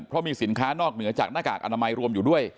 เพราะมีสินค้านอกเหนือจากหน้ากากอนามัยรวมอยู่ด้วย